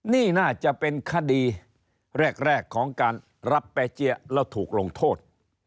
นี่น่าจะเป็นคดีแรกของการรับแป๊เจี๊ยะแล้วถูกลงโทษ